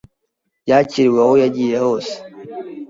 yakiriwe aho yagiye hose.